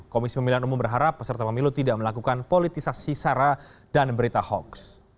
komisi pemilihan umum berharap peserta pemilu tidak melakukan politisasi sara dan berita hoax